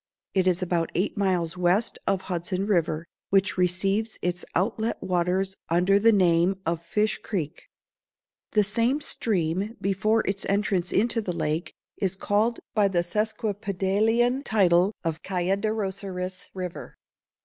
It is about eight miles west of Hudson River, which receives its outlet waters under the name of Fish Creek. The same stream, before its entrance into the lake, is called by the sesquipedalian title of Kayaderosseras River.